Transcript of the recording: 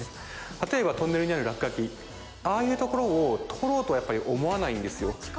例えばトンネルにある落書きああいうところを通ろうとはやっぱり思わないんですよ